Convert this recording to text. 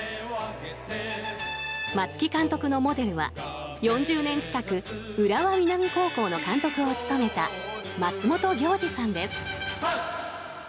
松木監督のモデルは４０年近く浦和南高校の監督を務めた松本暁司さんです。